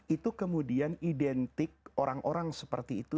itu kemudian identik orang orang seperti itu